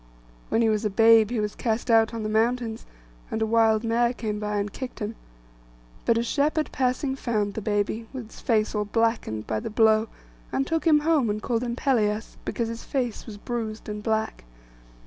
When he was a babe he was cast out on the mountains, and a wild mare came by and kicked him. But a shepherd passing found the baby, with its face all blackened by the blow; and took him home, and called him Pelias, because his face was bruised and black.